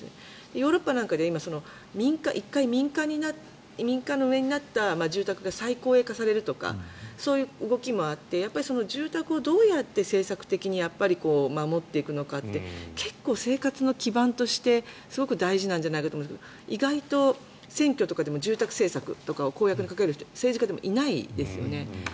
ヨーロッパなんかでは１回、民間運営になった住宅が最公営化されるとかそういう動きもあって住宅を政策的に守っていくのかって結構、生活の基盤としてすごく大事じゃないかと思うんですけど意外と選挙とかでも住宅政策を公約に掲げる人が政治家にもいないですよね。